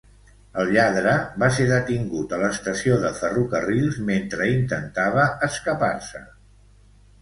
El lladre va ser detingut a l'estació de Ferrocarrils mentre intentava escapar-se.